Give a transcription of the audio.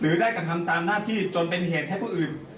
ได้กระทำตามหน้าที่จนเป็นเหตุให้ผู้อื่น